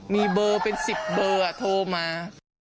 มีเบอร์เป็น๑๐เบอร์โทรมา